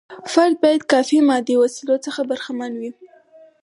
فرد باید کافي مادي وسیلو څخه برخمن وي.